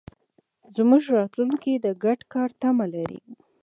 زموږ راتلونکی د ګډ کار تمه لري.